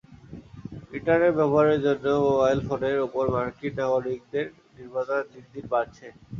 Internet ব্যবহারের জন্য mobile ফোনের ওপর মার্কিন নাগরিকদের নির্ভরতা দিন দিন বাড়ছে।